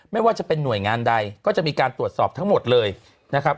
ไม่ว่าจะเป็นหน่วยงานใดก็จะมีการตรวจสอบทั้งหมดเลยนะครับ